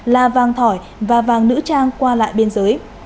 là vàng thỏi và vàng nữ trang qua lại biên giới